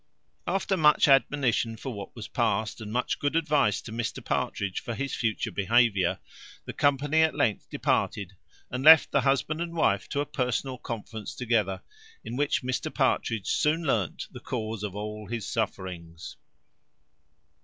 After much admonition for what was past, and much good advice to Mr Partridge for his future behaviour, the company at length departed, and left the husband and wife to a personal conference together, in which Mr Partridge soon learned the cause of all his sufferings.